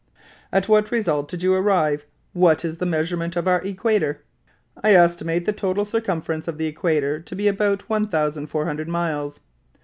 "At what result did you arrive? What is the measurement of our equator?" "I estimate the total circumference of the equator to be about 1,400 miles."